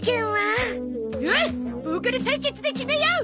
ボーカル対決で決めよう！